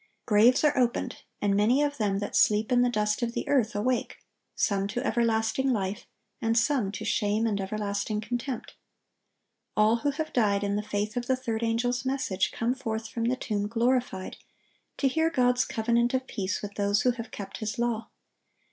Graves are opened, and "many of them that sleep in the dust of the earth ... awake, some to everlasting life, and some to shame and everlasting contempt."(1096) All who have died in the faith of the third angel's message come forth from the tomb glorified, to hear God's covenant of peace with those who have kept His law.